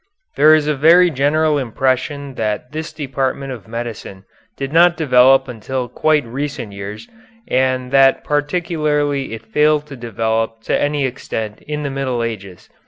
There is a very general impression that this department of medicine did not develop until quite recent years, and that particularly it failed to develop to any extent in the Middle Ages.